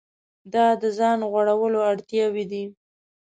دا د ځان غوړولو اړتیاوې دي.